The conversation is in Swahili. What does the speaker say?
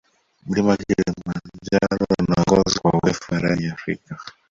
mlima kilimanjaro unaongoza kwa urefu barani afrika